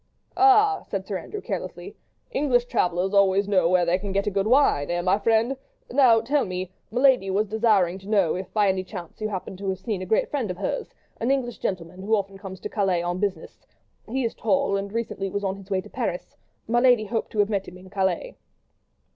"Ah!" said Sir Andrew, carelessly, "English travellers always know where they can get good wine, eh! my friend?—Now, tell me, my lady was desiring to know if by any chance you happen to have seen a great friend of hers, an English gentleman, who often comes to Calais on business; he is tall, and recently was on his way to Paris—my lady hoped to have met him in Calais."